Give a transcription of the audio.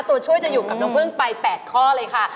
ตัวช่วยจะอยู่กับน้องพึ่งไป๘ข้อเลยค่ะ